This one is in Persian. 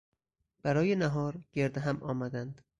برای نهار گرد هم آمدند.